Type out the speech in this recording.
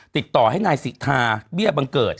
ติดต่อให้นายสิทธาเบี้ยบังเกิด